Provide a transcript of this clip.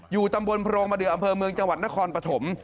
ตำบลโพรงบเดืออำเภอเมืองจังหวัดนครปฐม